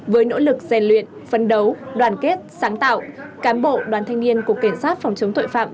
với nỗ lực rèn luyện phấn đấu đoàn kết sáng tạo cán bộ đoàn thanh niên cục cảnh sát phòng chống tội phạm